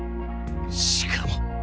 しかも。